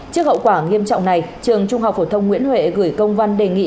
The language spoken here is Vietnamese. trước hậu quả nghiêm trọng này trường trung học phổ thông nguyễn huệ gửi công văn đề nghị